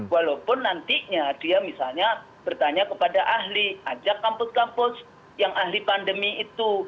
walaupun nantinya dia misalnya bertanya kepada ahli ajak kampus kampus yang ahli pandemi itu